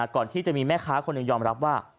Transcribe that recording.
ก่อนที่จะมีแม่ค้าคนหนึ่งยอมรับว่า